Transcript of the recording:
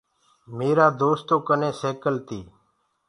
ميرآ دوستو ڪني سيڪل تي۔